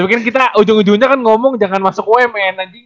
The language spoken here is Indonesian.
mungkin kita ujung ujungnya kan ngomong jangan masuk umn aja